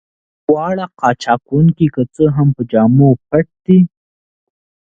دغه واړه قاچاق وړونکي که څه هم په جامو پټ دي.